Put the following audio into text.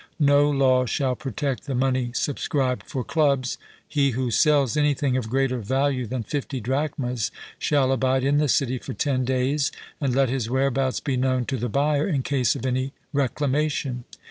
No law shall protect the money subscribed for clubs. He who sells anything of greater value than fifty drachmas shall abide in the city for ten days, and let his whereabouts be known to the buyer, in case of any reclamation.